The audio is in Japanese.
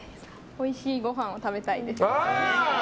おいしいごはんを食べたいです。